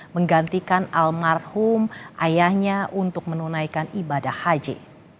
menggantikan almarhum ayahnya untuk menunaikan ibadah haji